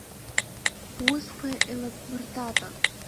Бусқәа еилабмыртатан!